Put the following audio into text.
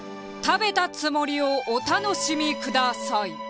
食べたつもりをお楽しみください。